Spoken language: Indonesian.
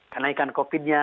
karena ikan covid nya